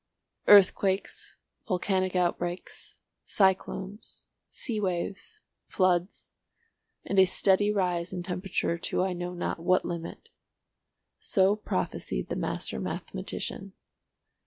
"Earthquakes, volcanic outbreaks, cyclones, sea waves, floods, and a steady rise in temperature to I know not what limit"—so prophesied the master mathematician.